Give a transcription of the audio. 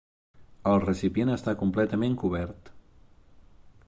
El recipient està completament cobert.